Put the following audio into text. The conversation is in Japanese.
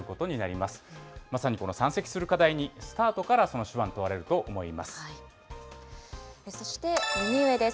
まさにこの山積する課題に、スタートからその手腕が問われると思そして、右上です。